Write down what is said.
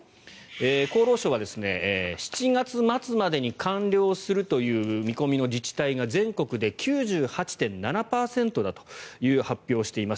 厚労省は７月末までに完了するという見込みの自治体が全国で９８．７％だという発表をしています。